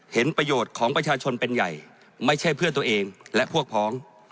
เห็นประโยชน์ของประชาชนเป็นใหญ่ไม่ใช่เพื่อตัวเองและพวกพ้อง